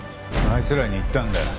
あいつらに言ったんだよ。